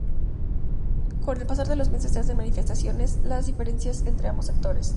Con el pasar de los meses se hacen manifiestas las diferencias entre ambos sectores.